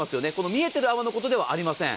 見えている泡のことではありません。